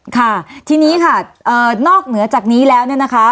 ค่ะทีนี้ค่ะนอกเหนือจากนี้แล้ว